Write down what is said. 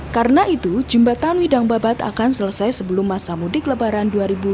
karena itu jembatan widang babat akan selesai sebelum masa mudik lebaran dua ribu delapan belas